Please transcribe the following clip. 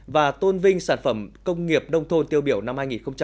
và tôn vinh sản phẩm công nghiệp nông thôn tiêu biểu năm hai nghìn hai mươi